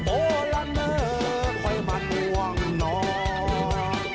โอลาเนอร์คอยมันหวังนอน